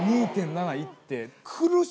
２．７行って。